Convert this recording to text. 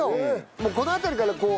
もうこの辺りからこう。